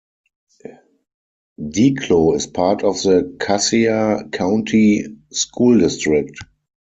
Declo is part of the Cassia County School District.